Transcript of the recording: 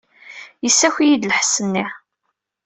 Yessaki-iyi-d lḥess-nni.